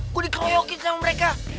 gue dikroyokin sama mereka